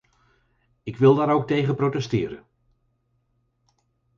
Ik wil daar ook tegen protesteren.